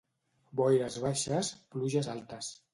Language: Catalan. Boires baixes, pluges altes.